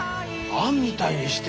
「あん」みたいにして。